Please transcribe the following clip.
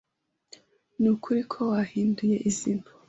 Nukuri ko wahinduye izina?